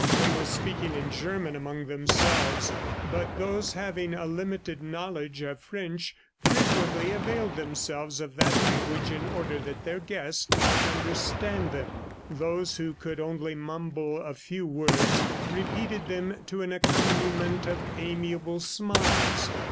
.. They were speaking in German among themselves, but those having a limited knowledge of French frequently availed themselves of that language in order that their guest might understand them. Those who could only mumble a few words, repeated them to an accompaniment of amiable smiles.